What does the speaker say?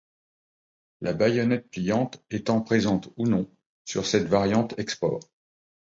La baïonnette pliante étant présente ou non sur cette variante export.